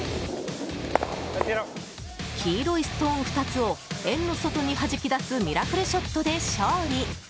黄色いストーン２つを円の外にはじき出すミラクルショットで勝利！